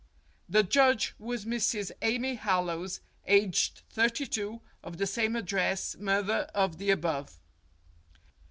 The judge was Mrs. Amy Hallowes, aged thirty two, of the same address, mother of the above.